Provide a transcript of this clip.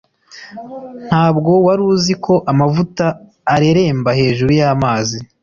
Ntabwo wari uzi ko amavuta areremba hejuru yamazi